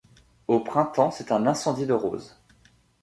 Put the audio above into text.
Au printemps, c’est un incendie de roses.